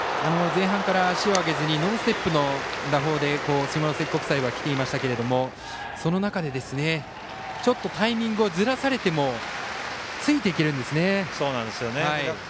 前半から足を上げずにノーステップの打法で下関国際は来ていましたけどもその中でちょっとタイミングをずらされてもついていけるんですね。